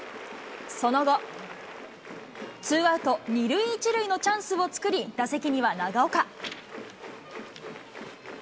その後、ツーアウト２塁１塁のチャンスを作り、打席には長岡。